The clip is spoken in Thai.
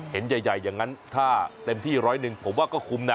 เห็นใหญ่อย่างนั้นถ้าเต็มที่๑๐๑บาทผมว่าก็คุ้มนะ